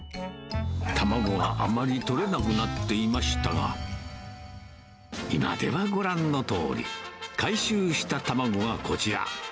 卵もあまり取れなくなっていましたが、今ではご覧のとおり、回収したたまごがこちら。